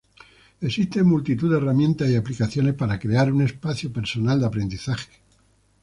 Existen multitud de herramientas y aplicaciones para crear un espacio personal de aprendizaje.